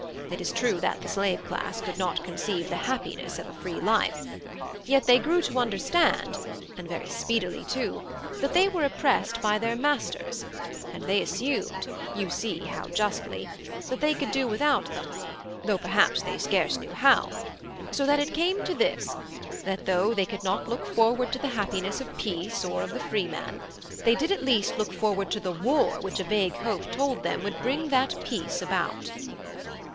It is true that the slave class could not conceive the happiness of a free life. Yet they grew to understand (and very speedily too) that they were oppressed by their masters, and they assumed, you see how justly, that they could do without them, though perhaps they scarce knew how; so that it came to this, that though they could not look forward to the happiness or peace of the freeman, they did at least look forward to the war which a vague hope told them would bring that peace about."